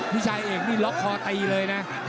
พี่ชายเอกนี่ล็อกคอตีเลยนะ